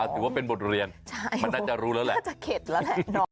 ถือว่าเป็นบทเรียนมันน่าจะรู้แล้วแหละน่าจะเข็ดแล้วแหละ